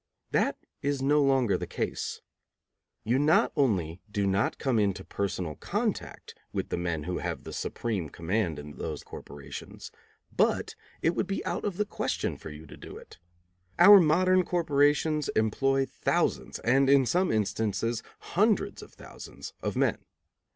That is no longer the case. You not only do not come into personal contact with the men who have the supreme command in those corporations, but it would be out of the question for you to do it. Our modern corporations employ thousands, and in some instances hundreds of thousands, of men.